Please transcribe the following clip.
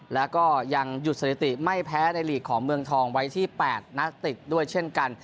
แล้วก็ยังหยุดสถิติไม่แพ้ในลีกของเมืองทองไว้ที่๘นาสติกด้วยเช่นกัน